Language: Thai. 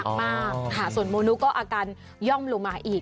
มากค่ะส่วนโมนุก็อาการย่อมลงมาอีก